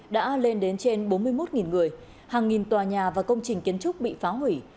đã lên đến trên bốn mươi một người hàng nghìn tòa nhà và công trình kiến trúc bị phá hủy